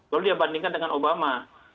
lalu dia bandingkan dengan obama